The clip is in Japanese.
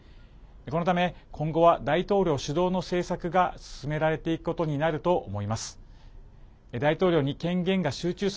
このため、今後は大統領主導の政策が進められていくことになると思います。